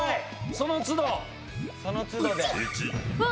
その都度で。